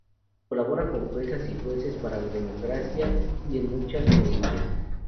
Colabora con Juezas y jueces para la Democracia y en muchas ponencias.